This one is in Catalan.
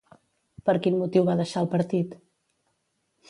Per quin motiu va deixar el partit?